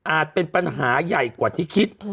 เป็นปัญหาใหญ่กว่าที่คิด